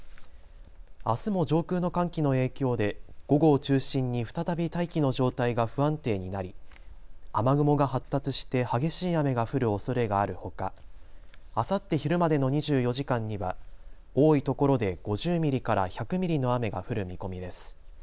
あすも上空の寒気の影響で午後を中心に再び大気の状態が不安定になり雨雲が発達して激しい雨が降るおそれがあるほかあさって昼までの２４時間には多いところで５０ミリから１００ミリの雨が降る見込みです。